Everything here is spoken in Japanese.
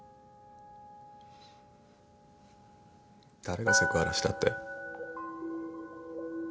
誰がセクハラしたって？